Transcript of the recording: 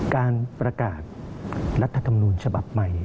การประกาศรัฐธรรมนูญฉบับใหม่